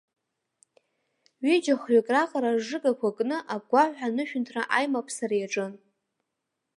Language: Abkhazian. Ҩыџьахҩык раҟара ржыгақәа кны агәгәаҳәа анышәынҭра аимаԥсара иаҿын.